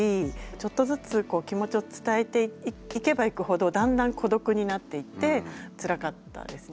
ちょっとずつこう気持ちを伝えていけばいくほどだんだん孤独になっていってつらかったです。